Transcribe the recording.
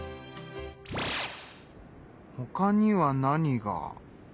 ほかには何が。